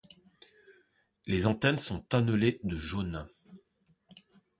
Les antennes sont annelées de jaune.